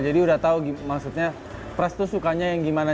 jadi udah tau maksudnya pras tuh sukanya yang gimana